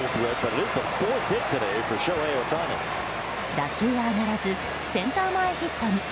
打球は上がらずセンター前ヒットに。